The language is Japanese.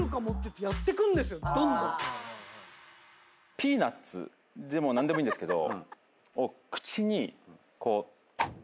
「ピーナッツでも何でもいいんですけど口にこう」